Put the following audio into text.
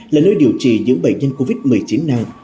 là nơi điều trị những bệnh nhân covid một mươi chín nặng